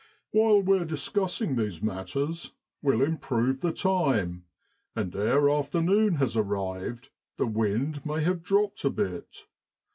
' While we're discussing these matters, we'll improve the time, and ere after noon has arrived the wind may have dropped a bit.